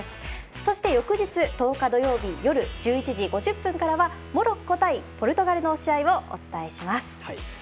そして翌日、１０日土曜日夜１１時５０分からはモロッコ対ポルトガルの試合をお伝えします。